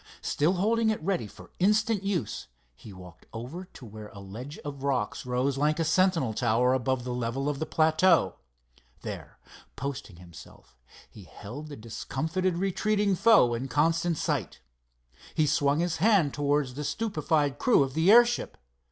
Still holding it ready for instant use, he walked over to where a ledge of rocks rose like a sentinel tower above the level of the plateau. There posting himself, he held the discomfited retreating foe in constant sight. He swung his hand towards the stupefied crew of the airship.